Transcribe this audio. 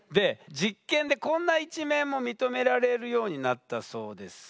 実験でこんな一面も認められるようになったそうです。